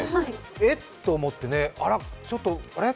エッと思ってあら、ちょっと、あれ？